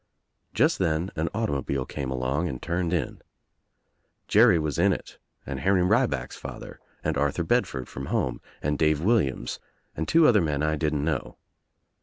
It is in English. Just then an automobile came along and turned in. Jerry was in it and Henry Rieback's father, and Arthur Bedford from home, and Dave Williams and two other men I didn't know.